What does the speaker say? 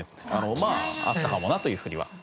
まああったかもなというふうには。